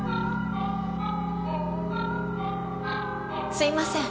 すいません。